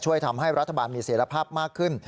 ช่วยทำให้รัฐบาลมีเสียรภาพมากขึ้น